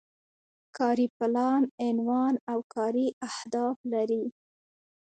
کاري پلان عنوان او کاري اهداف لري.